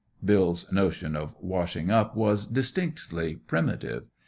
Bill's notion of washing up was distinctly primitive.